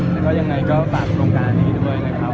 แล้วยังไงก็ตามโครงการกันเลยนะครับ